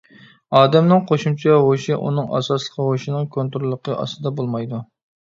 ئادەمنىڭ قوشۇمچە ھوشى ئۇنىڭ ئاساسلىق ھوشىنىڭ كونتروللۇقى ئاستىدا بولمايدۇ.